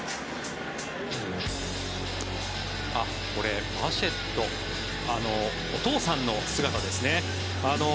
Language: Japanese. これはバシェットお父さんの姿ですね。